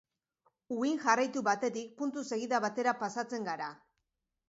Uhin jarraitu batetik, puntu segida batera pasatzen gara.